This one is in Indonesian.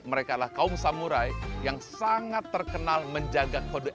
mereka adalah kaum samurai yang sangat terkenal menjaga kode etik